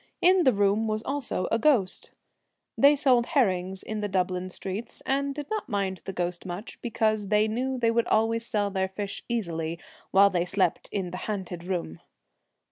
In the room was also a ghost. Village They sold herrings in the Dublin streets, and did not mind the ghost much, because they knew they would always sell their fish easily while they slept in the ' ha'nted ' room.